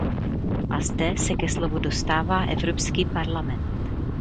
A zde se ke slovu dostává Evropský parlament.